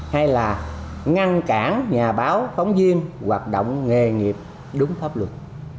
hay là ngăn cản nhà báo phóng viên hoạt động nghề nghiệp đúng pháp luật